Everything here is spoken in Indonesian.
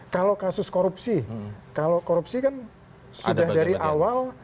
kalau kasus korupsi kalau korupsi kan sudah dari awal